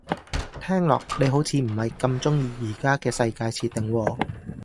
聽落你好似唔係咁鍾意而家嘅世界設定喎